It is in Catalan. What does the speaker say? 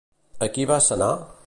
A qui va sanar?